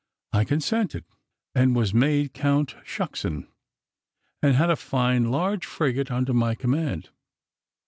I consented, and was made Count Shucksen, and had a fine large frigate under my command.